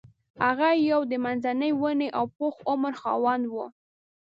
هغه یو د منځني ونې او پوخ عمر خاوند و.